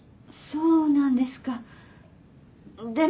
そうなんですかでも。